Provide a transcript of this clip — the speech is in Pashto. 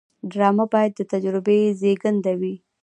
ډرامه باید د تجربې زیږنده وي